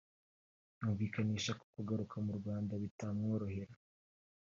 yumvikanisha ko kugaruka mu Rwanda bitamworohera